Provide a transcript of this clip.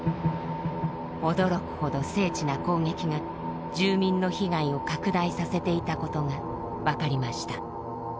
驚くほど精緻な攻撃が住民の被害を拡大させていたことが分かりました。